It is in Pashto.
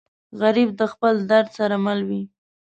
غریب د خپل درد سره مل وي